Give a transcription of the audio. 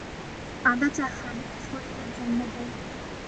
আদা চা খান, শরীরের জন্যে ভালো।